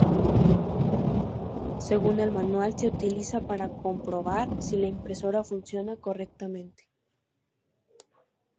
Según el manual, se utiliza para comprobar si la impresora funciona correctamente.